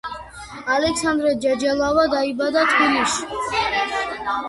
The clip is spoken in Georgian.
ალექსანდრე ჯეჯელავა დაიბადა თბილისში.